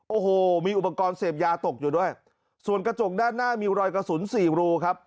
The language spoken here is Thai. โอ้โหมีอุปกรณ์เสพยาตกอยู่ด้วยส่วนกระจกด้านหน้ามีรอยกระสุนสี่รูครับ